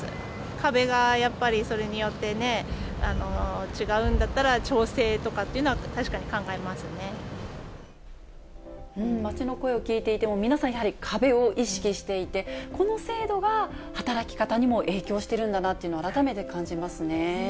壁がやっぱりそれによってね、違うんだったら、調整とかという街の声を聞いていても、皆さん、やはり壁を意識していて、この制度が働き方にも影響してるんだなというのを改めて感じますね。